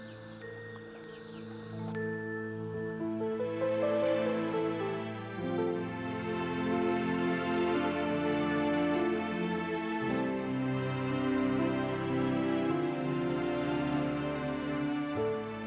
aku strategis di indonesia ya